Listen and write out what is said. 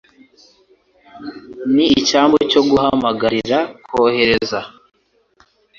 Ni icyambu cyo guhamagarira kohereza